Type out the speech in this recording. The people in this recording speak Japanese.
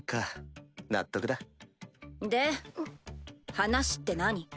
話って何？